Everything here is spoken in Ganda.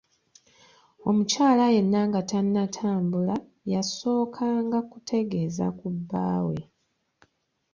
Omukyala yenna nga tannatambula yasookanga kutegeeza ku bbaawe.